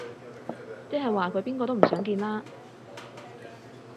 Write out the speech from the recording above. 即係話佢邊個都唔想見啦